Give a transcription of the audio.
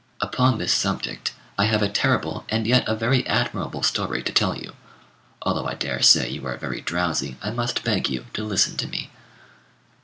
Upon this subject I have a terrible and yet a very admirable story to tell you. Although I dare say you are very drowsy, I must beg you to listen to me.